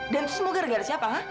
dan itu semua gara gara siapa ha